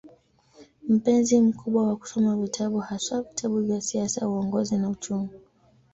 Mpenzi mkubwa wa kusoma vitabu, haswa vitabu vya siasa, uongozi na uchumi.